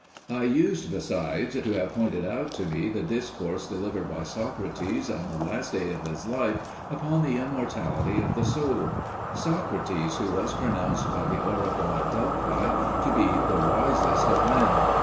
I used besides to have pointed out to me the discourse delivered by Socrates on the last day of his life upon the immortality of the soul Socrates who was pronounced by the oracle at Delphi to be the wisest of men.